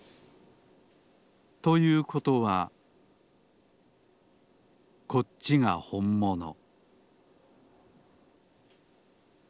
ということはこっちがほんもの